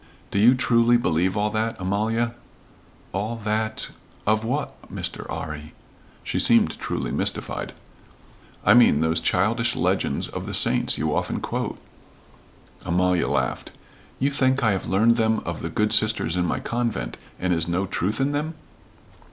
"Do you truly believe all that, Amalia?" "All that ? Of what Mr. 'Arry?" She seemed truly mystified. "I mean those childish legends of the saints you often quote?" Amalia laughed. "You think I have learn them of the good sisters in my convent, and is no truth in them?"